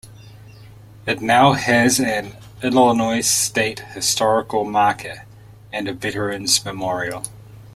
It now has an Illinois State Historical Marker and a Veteran's Memorial.